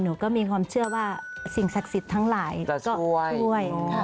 หนูก็มีความเชื่อว่าสิ่งศักดิ์สิทธิ์ทั้งหลายก็ช่วย